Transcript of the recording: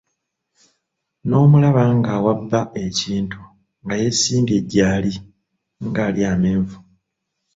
N'omulaba ng'awa bba ekintu nga yeesimbye jaali nga alya amenvu!